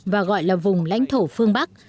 và gọi là vùng lãnh thổ phương bắc